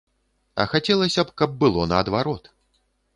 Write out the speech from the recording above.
А хацелася б, каб было наадварот.